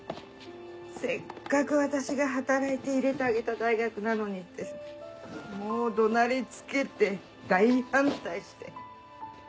せっかく私が働いて入れてあげた大学なのにってもう怒鳴りつけて大反対して。